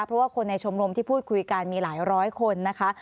เพราะว่าคนในชมรมที่พูดคุยกันมีหลายร้อยคนนะคะ